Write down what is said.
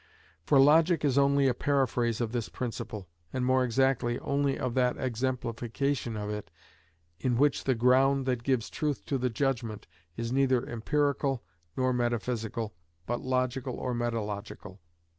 For logic is only a paraphrase of this principle, and, more exactly, only of that exemplification of it in which the ground that gives truth to the judgment is neither empirical nor metaphysical, but logical or metalogical.